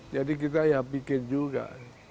jadi kita ya pikir juga